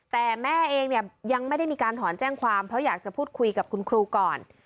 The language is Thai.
แต่แม่เองเนี่ยยังไม่ได้มีการถอนแจ้งความเพราะอยากจะพูดคุยกับคุณครูก่อน